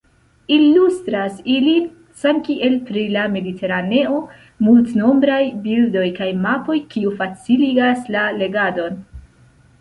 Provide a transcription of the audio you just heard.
Ilustras ilin, samkiel pri "La Mediteraneo", multnombraj bildoj kaj mapoj, kio faciligas la legadon.